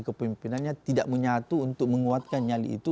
kepemimpinannya tidak menyatu untuk menguatkan nyali itu